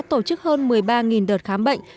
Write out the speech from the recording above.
tổ chức hơn một mươi ba đợt khám bệnh